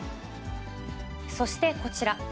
そして、こちら。